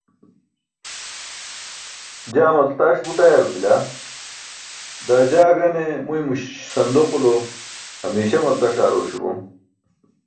jaa maltaṣ but ayarum bila daa jaa gane muymo sandoqulo hamiśa maltaṣ aar oośu bom